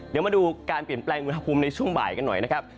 เดี๋ยวมาดูการเปลี่ยนแปลงอุณหภูมิในช่วงบ่ายกันหน่อยนะครับ